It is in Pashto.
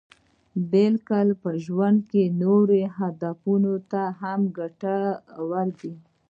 بلکې په ژوند کې نورو هدفونو ته هم ګټور دي.